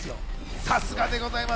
さすがでございます。